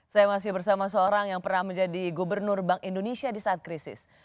saya masih bersama seorang yang pernah menjadi gubernur bank indonesia di saat krisis